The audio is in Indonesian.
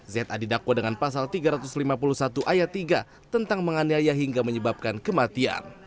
za didakwa dengan pasal tiga ratus lima puluh satu ayat tiga tentang menganiaya hingga menyebabkan kematian